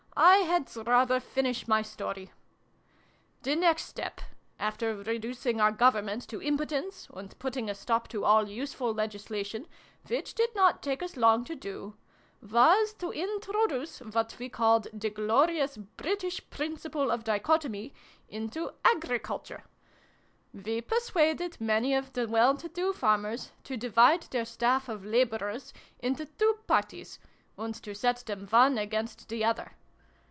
" I had rather finish my story ! The next step (after reducing our Government to impotence, and putting a stop to all useful legislation, which did not take us long to do) was to introduce what we called ' the glorious British Principle of Dichotomy ' into Agricul ture, We persuaded many of the well to do 206 SYLVIE AND BRUNO CONCLUDED. farmers to divide their staff of labourers into two Parties, and to set them one against the other.